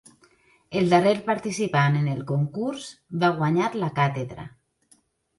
El darrer participant en el concurs va guanyar la càtedra.